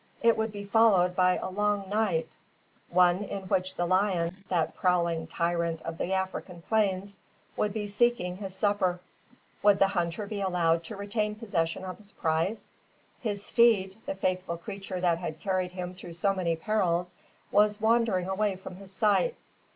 It would be followed by a long night, one in which the lion, that prowling tyrant of the African plains, would be seeking his supper. Would the hunter be allowed to retain possession of his prize? His steed, the faithful creature that had carried him through so many perils, was wandering away from his sight.